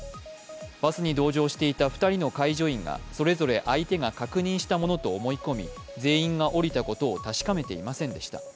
バスに同乗していた２人の介助員が、それぞれ相手が確認したものと思い込み、全員が降りたことを確かめていませんでした。